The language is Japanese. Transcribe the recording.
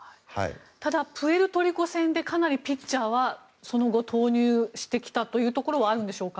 ただ、プエルトリコ戦でかなりピッチャーはその後、投入してきたというところはあるんでしょうか。